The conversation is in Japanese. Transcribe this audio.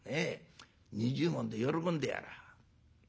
２０文で喜んでやら。